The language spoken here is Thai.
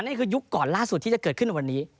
นี่คือยุคก่อนล่าสุดที่จะเกิดขึ้นในวันนี้